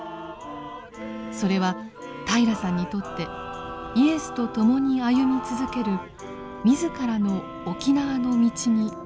それは平良さんにとってイエスと共に歩み続ける自らの沖縄の道につながっています。